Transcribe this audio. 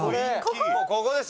「ここです。